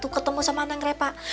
ketemu sama anak mereka